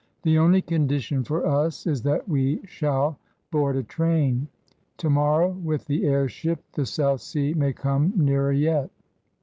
The only condition for us is that we shall board a train. Tomorrow, with the airship, the South Sea may come nearer yet!